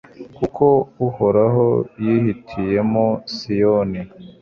kuko uhoraho yihitiyemo siyoni